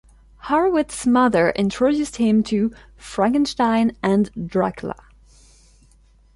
Horowitz's mother introduced him to "Frankenstein" and "Dracula".